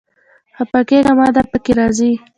خپه کېږه مه، دا پکې راځي